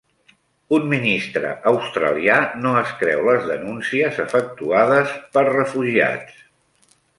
Un ministre australià no es creu les denúncies efectuades per refugiats